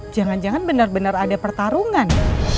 jangan jangan benar benar ada pertarungan